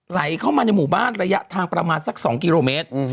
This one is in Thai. ไหลเข้ามาในหมู่บ้านระยะทางประมาณสัก๒กิโลเมตร